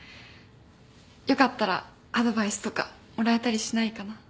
よかったらアドバイスとかもらえたりしないかな。